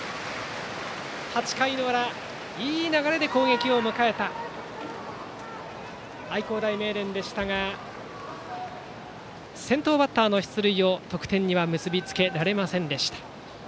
８回の裏いい流れで攻撃を迎えた愛工大名電でしたが先頭バッターの出塁を得点には結び付けられませんでした。